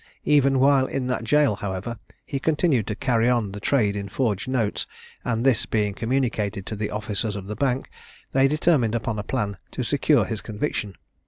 Even while in that jail, however, he continued to carry on the trade in forged notes; and this being communicated to the officers of the bank, they determined upon a plan to secure his conviction.